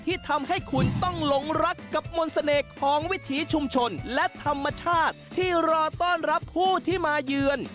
ที่ทำให้คุณต้องหลงรักกับมนต์เสน่ห์ของวิถีชุมชนและธรรมชาติที่รอต้อนรับผู้ที่มาเยือน